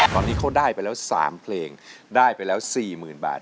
ตอนนี้เขาได้ไปแล้วสามเพลงได้ไปแล้วสี่หมื่นบาท